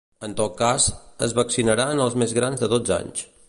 En tot cas, es vaccinaran els més grans de dotze anys.